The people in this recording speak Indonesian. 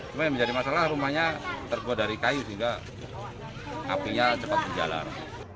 cuma yang menjadi masalah rumahnya terbuat dari kayu sehingga apinya cepat menjalar